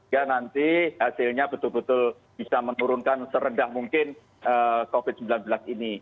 ya nanti hasilnya betul betul bisa menurunkan serendah mungkin covid sembilan belas ini